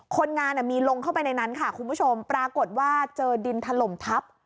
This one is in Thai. คนงานมีลงเข้าไปในนั้นค่ะคุณผู้ชมปรากฏว่าเจอดินถล่มทับ